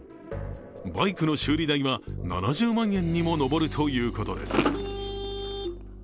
バイクの修理代は７０万円にも上るということです。